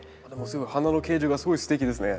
すごい花の形状がすごいすてきですね。